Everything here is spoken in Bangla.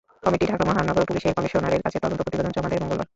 কমিটি ঢাকা মহানগর পুলিশের কমিশনারের কাছে তদন্ত প্রতিবেদন জমা দেয় মঙ্গলবার।